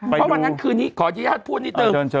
เพราะวันนั้นคืนนี้ขออนุญาตพูดนิดนึง